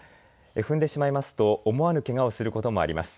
踏んでしまいますと思わぬけがをすることもあります。